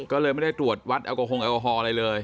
ก็เลยไม่ได้ตรวจวัดแอลกอฮองแอลกอฮอลอะไรเลย